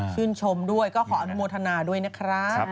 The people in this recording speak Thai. ชมด้วยก็ขออนุโมทนาด้วยนะครับ